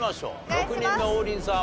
６人目王林さん